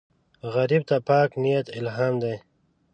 غریب ته پاک نیت الهام دی